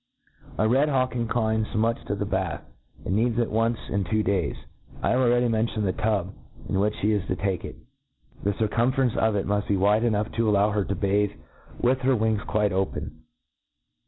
A young red hawlc inclines much to the batfi^ and needs it once in two days. I have already mentioned the tub in which flie is to take it. The circumference of it muft be wide enough to allow her to bathe with her wings quite open.